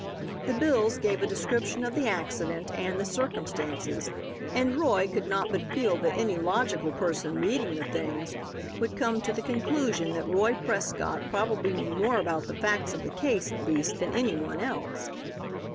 The bills gave a description of the accident and the circumstances, and Roy could not but feel that any logical person reading the things would come to the conclusion that Roy Prescott probably knew more about the facts of the case, at least, than any one else.